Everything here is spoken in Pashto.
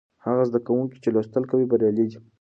هغه زده کوونکي چې لوستل کوي بریالي دي.